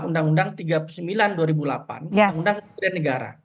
undang undang tiga puluh sembilan dua ribu delapan undang undang negara